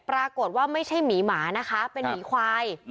ปรากฏว่าไม่ใช่หมีหมานะคะเป็นหมีควาย